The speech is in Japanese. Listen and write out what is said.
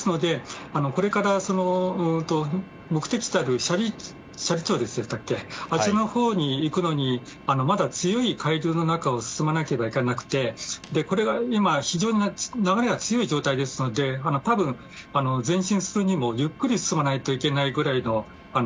これから目的地たる斜里町のほうに行くのにまだ強い海流の中を進まないといけなくてまだ非常に流れが強い状態なので多分、前進するにもゆっくり進まないといけないぐらい。